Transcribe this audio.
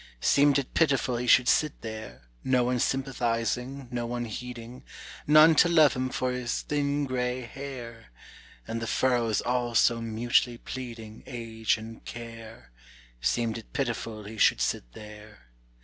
Seemed it pitiful he should sit there, No one sympathizing, no one heeding, None to love him for his thin gray hair, And the furrows all so mutely pleading Age and care: Seemed it pitiful he should sit there.